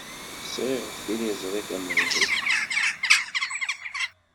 Sɣiɣ-d tiliẓri d tamaynut.